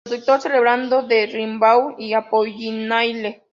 Traductor celebrado de Rimbaud y Apollinaire.